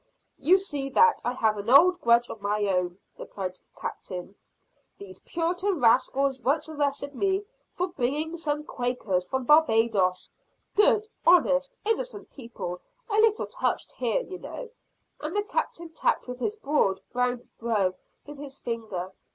"You see that I have an old grudge of my own," replied the Captain. "These Puritan rascals once arrested me for bringing some Quakers from Barbados good, honest, innocent people, a little touched here, you know," and the Captain tapped his broad, brown brow with his finger.